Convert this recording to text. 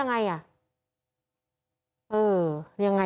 นี่คือยังไงอ่ะ